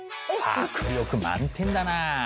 迫力満点だなあ。